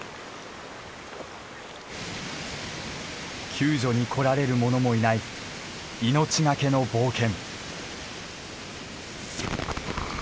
救助に来られる者もいない命懸けの冒険。